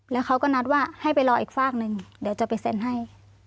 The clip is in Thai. แล้วเขาก็นัดว่าให้ไปรออีกฝากหนึ่งเดี๋ยวจะไปเซ็นให้